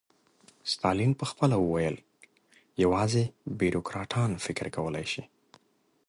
ستالین به خپله ویل یوازې بیروکراټان فکر کولای شي.